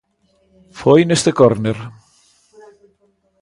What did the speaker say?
Foi neste córner.